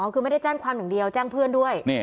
คือไม่ได้แจ้งความอย่างเดียวแจ้งเพื่อนด้วย